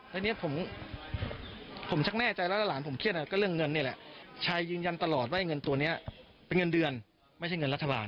อันนี้ผมชักแน่ใจแล้วแล้วหลานผมเครียดอะไรก็เรื่องเงินนี่แหละชัยยืนยันตลอดว่าเงินตัวนี้เป็นเงินเดือนไม่ใช่เงินรัฐบาล